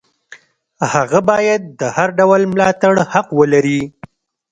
هغه باید د هر ډول ملاتړ حق ولري.